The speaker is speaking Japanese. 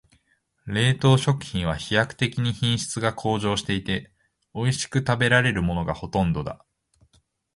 冷凍食品は飛躍的に品質が向上していて、おいしく食べられるものがほとんどだ。